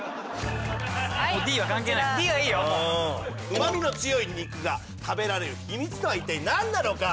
旨味の強い肉が食べられる秘密とは一体なんなのか。